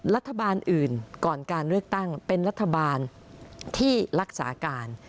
รัฐบาลอื่นก่อนการเลือกตั้งเป็นรัฐบาลที่รักษาการ